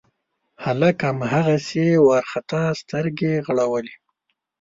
هلک هماغسې وارخطا سترګې رغړولې.